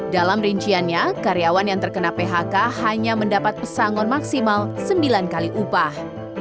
dalam rinciannya karyawan yang terkena phk hanya mendapat pesangon maksimal sembilan kali upah